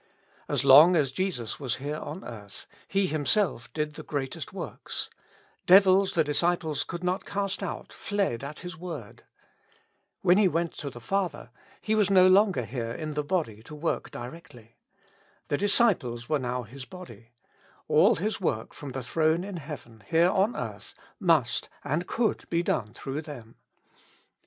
As long as Jesus was here on earth, He Him self did the greatest works : devils the disciples could not cast out, fled at His word. When He went to the Father, He was no longer here in the body tQ 151 With Christ in the School of Prayer. work directly. The disciples were now His body : all His work from the throne in heaven here on earth must and could be done through them.